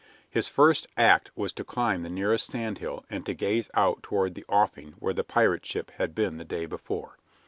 His first act was to climb the nearest sand hill and to gaze out toward the offing where the pirate ship had been the day before.